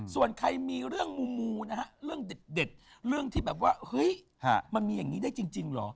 ส่วนใครมีเรื่องมูนะฮะเรื่องเด็ดเรื่องที่แบบว่าเฮ้ยมันมีอย่างนี้ได้จริงเหรอ